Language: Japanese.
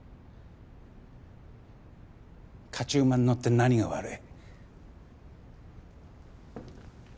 勝ち馬に乗って何が悪い？